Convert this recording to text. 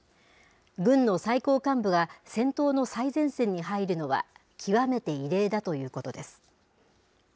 軍の最高幹部は、戦闘の最前線に入るのは極めて異例だということです。